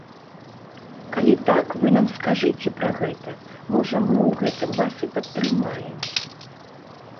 Калі так, вы нам скажыце пра гэта, можа, мы ў гэтым вас і падтрымаем.